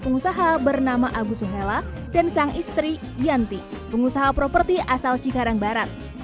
pengusaha bernama agus suhela dan sang istri yanti pengusaha properti asal cikarang barat